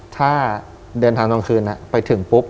ถ้าเดินทางกลางคืนไปถึงปุ๊บ